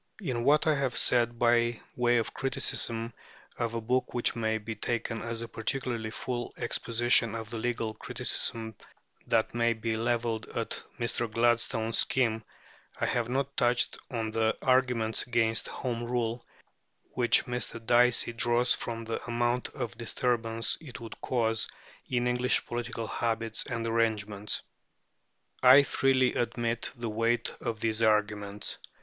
In what I have said by way of criticism of a book which may be taken as a particularly full exposition of the legal criticism that may be levelled at Mr. Gladstone's scheme, I have not touched on the arguments against Home Rule which Mr. Dicey draws from the amount of disturbance it would cause in English political habits and arrangements. I freely admit the weight of these arguments.